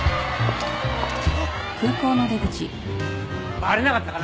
バレなかったかな？